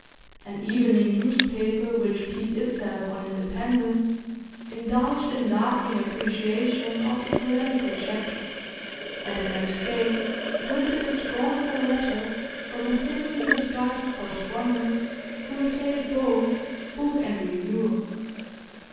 An evening newspaper which piqued itself on independence indulged in laughing appreciation of the polemical chapter, and the next day printed a scornful letter from a thinly disguised correspondent who assailed both book and reviewer.